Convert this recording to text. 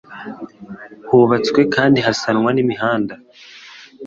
hubatswe kandi hasanwa n' imihanda